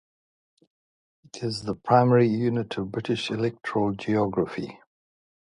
It is the primary unit of British electoral geography.